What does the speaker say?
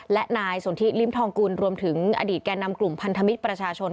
และนายสนทิลิ้มทองกุลรวมถึงอดีตแก่นำกลุ่มพันธมิตรประชาชน